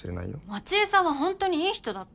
街絵さんはホントにいい人だった。